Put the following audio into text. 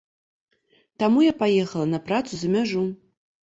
Таму я паехала на працу за мяжу.